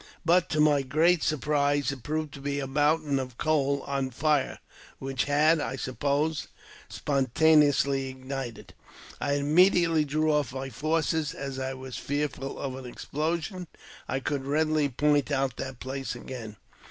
But, to my great surprise, it proved to be a mountain of coal on fire, which had, I sup pose, spontaneously ignited. I immediately drew off my forces, as I was fearful of an explosion. I could readily point out the place again.